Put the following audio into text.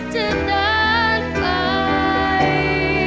จะเดินไป